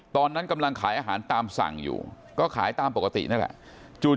ตอนนั้นกำลังขายอาหารตามสั่งอยู่ก็ขายตามปกตินั่นแหละ